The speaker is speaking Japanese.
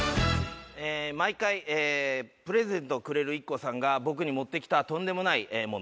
毎回プレゼントをくれるＩＫＫＯさんが僕に持ってきたとんでもないもの。